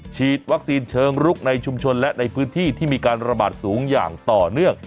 ฉีดวัคซีนเชิงรุกในชุมชนและในพื้นที่ที่มีการระบาดสูงอย่างต่อเนื่อง